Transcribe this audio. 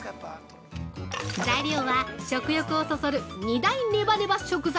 材料は、食欲をそそる２大ネバネバ食材